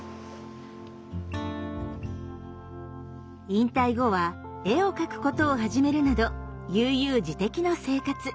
引退後は絵を描くことを始めるなど悠々自適の生活。